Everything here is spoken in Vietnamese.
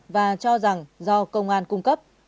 và cho rằng do công an cung cấp